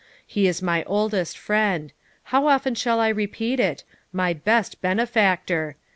He is my oldest friend how often shall I repeat it? my best benefactor!